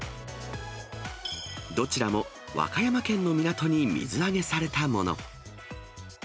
どちらも和歌山県の港に水揚げされたもの。